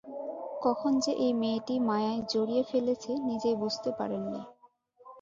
কখন যে এই মেয়েটি মায়ায় জড়িয়ে ফেলেছে, নিজেই বুঝতে পারেন নি।